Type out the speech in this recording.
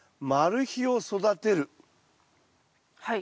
はい。